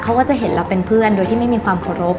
เขาก็จะเห็นเราเป็นเพื่อนโดยที่ไม่มีความเคารพ